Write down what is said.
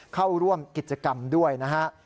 เข้าร่วมกิจกรรมด้วยนะฮะ